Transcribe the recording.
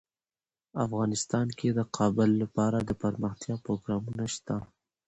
افغانستان کې د کابل لپاره دپرمختیا پروګرامونه شته.